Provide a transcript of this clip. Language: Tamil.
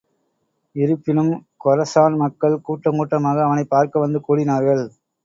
இருப்பினும் கொரசான் மக்கள், கூட்டங்கூட்டமாக அவனைப் பார்க்க வந்து கூடினார்கள்.